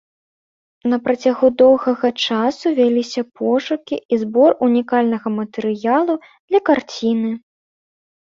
На працягу доўгага часу вяліся пошукі і збор унікальнага матэрыялу для карціны.